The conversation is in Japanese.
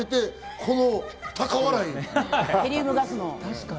この高笑い。